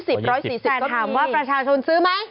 แต่ถามว่าประชาชนซื้อไหม